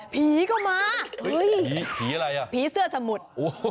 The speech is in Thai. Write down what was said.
พียก็มาพียอะไรอ่ะพียเสื้อสมุทร